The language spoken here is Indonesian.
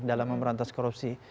dalam memerantas korupsi